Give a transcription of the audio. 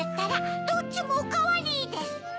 「どっちもおかわり！」ですって。